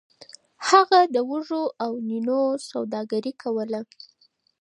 هغه د وږو او نینو سوداګري کوله.